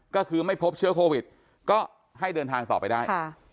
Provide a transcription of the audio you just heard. ก็คือไม่พบเชื้อโควิดก็ให้เดินทางต่อไปได้